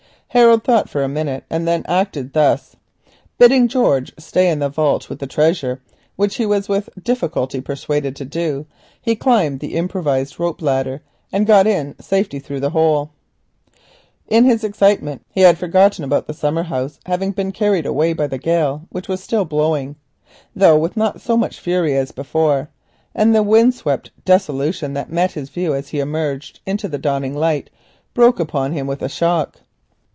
Harold thought for a minute, and then acted thus. Bidding George stay in the vault with the treasure, which he was with difficulty persuaded to do, he climbed the improvised rope ladder, and got in safety through the hole. In his excitement he had forgotten about the summer house having been carried away by the gale, which was still blowing, though not with so much fury as before. The wind swept desolation that met his view as he emerged into the dawning light broke upon him with a shock.